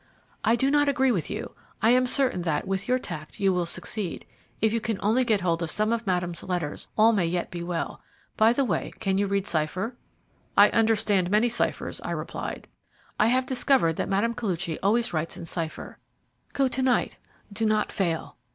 "I do not agree with you. I am certain that, with your tact, you will succeed. If you can only get hold of some of Madame's letters all may yet be well. By the way, can you read cipher?" "I understand many ciphers," I replied "I have discovered that Mme. Koluchy always writes in cipher. Go to night. Do not fail.